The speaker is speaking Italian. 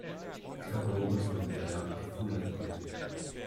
Il capoluogo di contea è Fullerton.